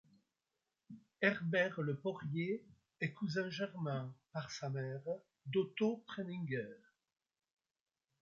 Herbert Le Porrier est cousin germain, par sa mère, d'Otto Preminger.